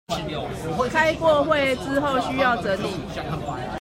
開過會之後需要整理